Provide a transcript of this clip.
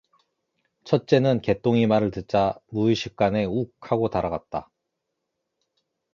첫째는 개똥이 말을 듣자 무의식간에 욱 하고 달아갔다.